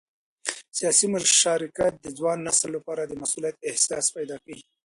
سیاسي مشارکت د ځوان نسل لپاره د مسؤلیت احساس پیدا کوي